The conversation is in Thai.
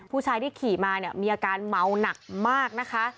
ผู้ชายที่ขี่มาเนี่ยมีอาการเมาหนักมากนะคะ